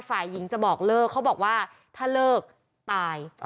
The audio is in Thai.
ฝ่ายหญิงจะบอกเลิกเขาบอกว่าถ้าเลิกตาย